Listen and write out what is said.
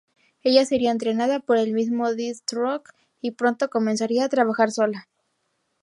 Ella sería entrenada por el mismo Deathstroke, y pronto comenzaría a trabajar sola.